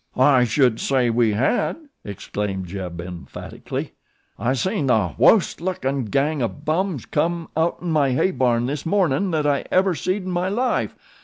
"I should say we hed," exclaimed Jeb emphatically. "I seen the wo'st lookin' gang o' bums come outen my hay barn this mornin' thet I ever seed in my life.